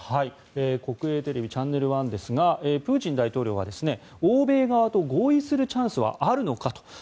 国営テレビ、チャンネル１ですがプーチン大統領は欧米側と合意するチャンスはあるのかと。